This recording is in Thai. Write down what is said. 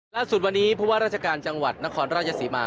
ล่าสุดวันนี้ผู้ว่าราชการจังหวัดนครราชศรีมา